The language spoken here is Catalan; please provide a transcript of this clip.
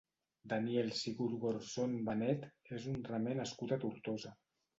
Daniel Sigurbjörnsson Benet és un remer nascut a Tortosa.